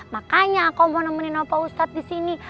makanya aku mau nemenin opa ustad disini